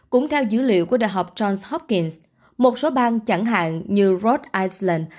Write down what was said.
cũng theo dữ liệu của đại học johns hopkins một số bang chẳng hạn như rhode island